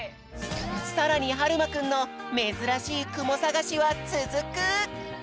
さらにはるまくんのめずらしいくもさがしはつづく！